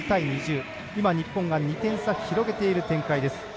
日本が２点差、広げている展開。